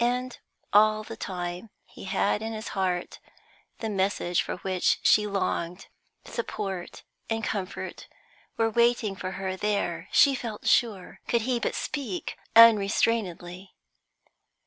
And all the time he had in his heart the message for which she longed; support and comfort were waiting for her there, she felt sure, could he but speak unrestrainedly.